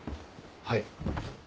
はい。